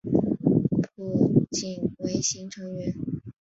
浦井唯行成员。